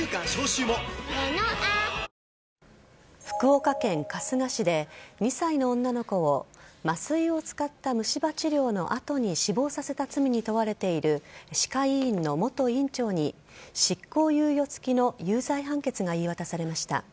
福岡県春日市で２歳の女の子を麻酔を使った虫歯治療の後に死亡させた罪に問われている歯科医院の元院長に執行猶予付きの有罪判決が言い渡されました。